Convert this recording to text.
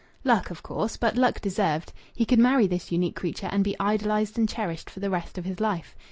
Luck, of course; but luck deserved! He could marry this unique creature and be idolized and cherished for the rest of his life.